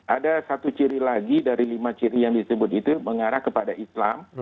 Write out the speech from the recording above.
ada satu ciri lagi dari lima ciri yang disebut itu mengarah kepada islam